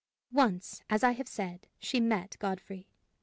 Once, as I have said, she met Godfrey.